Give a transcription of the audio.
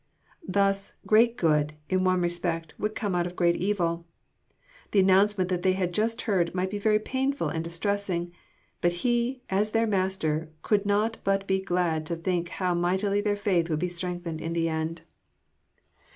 Thus, great good, in one respect, would come out of great evil. The announcement they had just heard might be very painftil and distressing, but He as their Master could not but be glad to think how mightily their faith would be strengthened in the end.